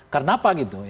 karena apa gitu